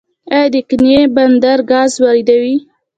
آیا د اقینې بندر ګاز واردوي؟